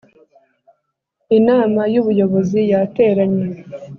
Inama y Ubuyobozi yateranye